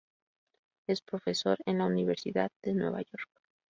Es profesor en la Universidad de Nueva York.